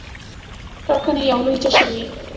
ټاکنې یو لوی جشن وي.